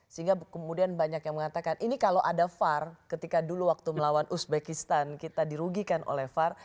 sehingga kemudian banyak yang mengatakan ini kalau ada var ketika dulu waktu melawan uzbekistan kita dirugikan oleh var